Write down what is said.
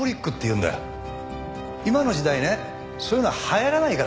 今の時代ねそういうのは流行らないから。